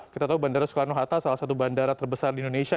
kita tahu bandara soekarno hatta salah satu bandara terbesar di indonesia